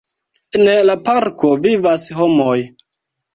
En la parko vivas homoj.